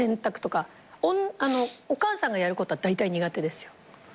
お母さんがやることはだいたい苦手ですよ。